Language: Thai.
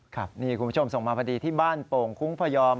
ครับนี่คุณผู้ชมส่งมาพอดีที่บ้านโป่งคุ้งพยอม